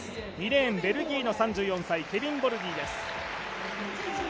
２レーン、ベルギーの３４歳ケビン・ボルリーです。